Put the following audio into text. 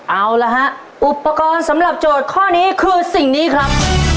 เอาละฮะอุปกรณ์สำหรับโจทย์ข้อนี้คือสิ่งนี้ครับ